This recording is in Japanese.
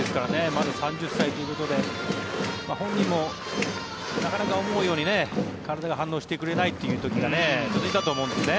まだ３０歳ということで本人もなかなか思うように体が反応してくれないという時が続いたと思うんですね。